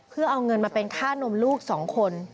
เพื่อเอาเงินมาเป็นค่านมลูก๒คน